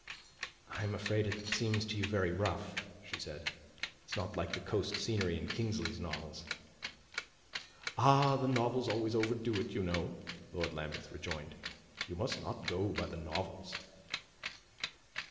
"I am afraid it seems to you very rough," she said. "It's not like the coast scenery in Kingsley's novels." "Ah, the novels always overdo it, you know," Lord Lambeth rejoined. "You must not go by the novels."